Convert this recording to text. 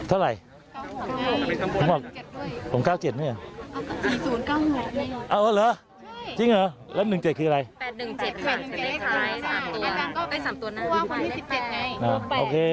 อาจารย์มาพร้อมกับข่าวดีให้คนหลายคนเห็น